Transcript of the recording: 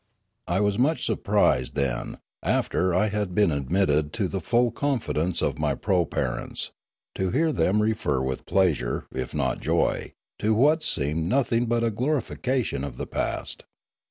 I was much surprised, then, after I had been admitted to the full confidence of my proparents, to hear them refer with pleasure, if not joy, to what seemed nothing but a glorification of the past.